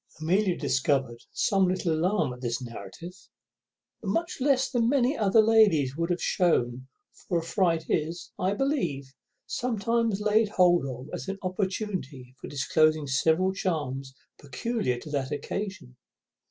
Amelia discovered some little alarm at this narrative, but much less than many other ladies would have shewn, for a fright is, I believe, sometimes laid hold of as an opportunity of disclosing several charms peculiar to that occasion.